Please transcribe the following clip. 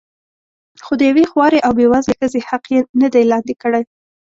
خو د یوې خوارې او بې وزلې ښځې حق یې نه دی لاندې کړی.